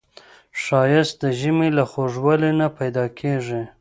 ښایست د ژبې له خوږوالي نه پیداکیږي